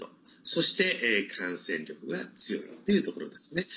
そして、感染力が強いっていうところですね。